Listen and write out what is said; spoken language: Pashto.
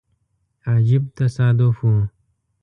عجیب تصادف وو.